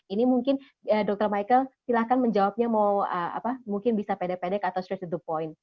ini mungkin dr michael silahkan menjawabnya mau apa mungkin bisa pede pedek atau straight to the point